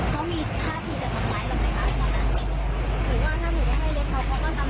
เค้าวิ่ง๕ทีจะสำมริติกันเลยคือว่าถ้าหนูไม่ให้เล็กเค้าก็ทำลายเนาะ